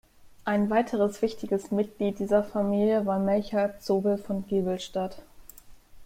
Ein weiteres wichtiges Mitglied dieser Familie war Melchior Zobel von Giebelstadt.